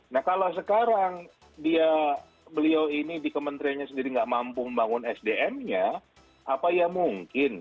nah kalau sekarang beliau ini di kementeriannya sendiri nggak mampu membangun sdm nya apa ya mungkin